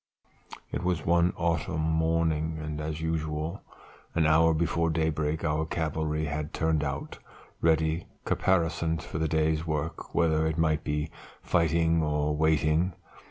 "It was one autumn morning, and as usual, an hour before daybreak our cavalry had turned out, ready caparisoned for the day's work, whether it might be fighting or waiting.